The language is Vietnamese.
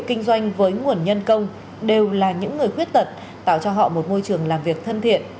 kinh doanh với nguồn nhân công đều là những người khuyết tật tạo cho họ một môi trường làm việc thân thiện